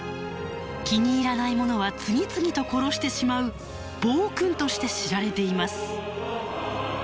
気に入らないものは次々と殺してしまう暴君として知られています。